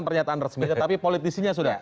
pernyataan resmi tetapi politisinya sudah